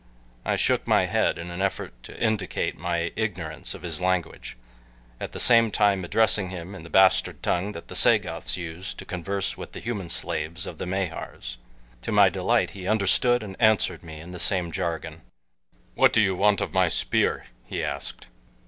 I shook my head in an effort to indicate my ignorance of his language, at the same time addressing him in the bastard tongue that the Sagoths use to converse with the human slaves of the Mahars. To my delight he understood and answered me in the same jargon. "What do you want of my spear?" he asked.